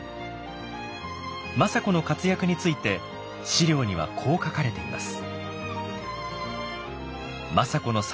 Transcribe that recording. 政子の活躍について資料にはこう書かれています。